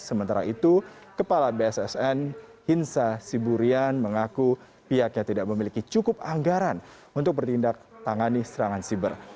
sementara itu kepala bssn hinsa siburian mengaku pihaknya tidak memiliki cukup anggaran untuk bertindak tangani serangan siber